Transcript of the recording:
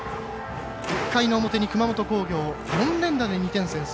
１回の表に、熊本工業４連打で２点先制。